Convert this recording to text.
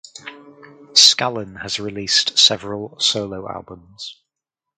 Scallon has released several solo albums.